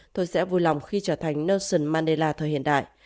tôi sẽ vui lòng khi trở thành nelson mandela thời hiện đại